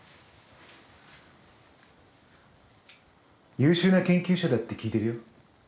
優秀な研究者だって聞いてるよ。